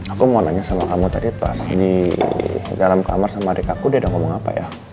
aku mau nanya sama kamu tadi pas di dalam kamar sama adik aku dia udah ngomong apa ya